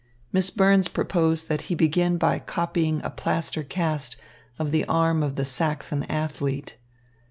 Miss Burns proposed that he begin by copying a plaster cast of the arm of the Saxon athlete.